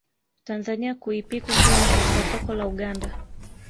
Tanzania kuipiku Kenya katika soko la Uganda